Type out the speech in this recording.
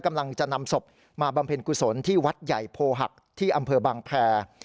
กำลังจะนำศพมาบำเพ็ญกุศลที่วัดใหญ่โพหักที่อำเภอบางแพร